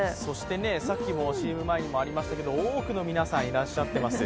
さっきＣＭ前にもありましたけれども、多くの皆さん、いらっしゃっています。